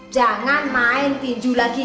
jangan main tinju lagi